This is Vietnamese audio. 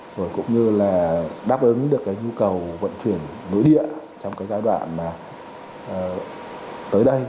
rồi cũng như là đáp ứng được cái nhu cầu vận chuyển nội địa trong cái giai đoạn mà tới đây